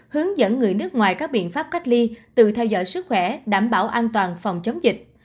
hướng dẫn người nước ngoài các biện pháp cách ly từ theo dõi sức khỏe đảm bảo an toàn phòng chống dịch